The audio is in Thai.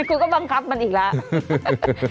คุณก็บังคับมันอีกแล้ว